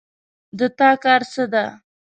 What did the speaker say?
د تا کار څه ده